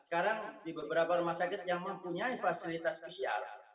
sekarang di beberapa rumah sakit yang mempunyai fasilitas pcr